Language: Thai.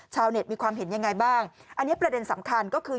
มีความเห็นยังไงบ้างอันนี้ประเด็นสำคัญก็คือ